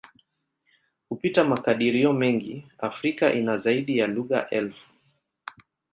Kupitia makadirio mengi, Afrika ina zaidi ya lugha elfu.